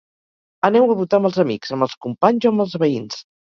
Aneu a votar amb els amics, amb els companys o amb els veïns.